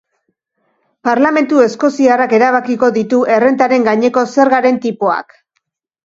Parlamentu eskoziarrak erabakiko ditu errentaren gaineko zergaren tipoak.